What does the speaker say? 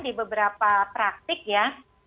di beberapa praktik ya